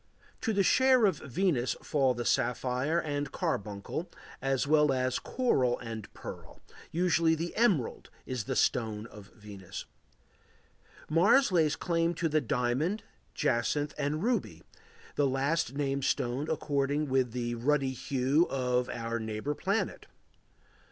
To the share of Venus fall the sapphire and carbuncle as well as coral and pearl; usually the emerald is the stone of Venus. Mars lays claim to the diamond, jacinth, and ruby, the last named stone according with the ruddy hue of our neighbor planet.